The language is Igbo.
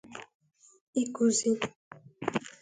ịkụzi